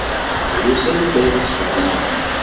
Drus anda ay tteffɣen.